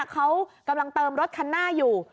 เขากำลังเติมรถคันหน้าอยู่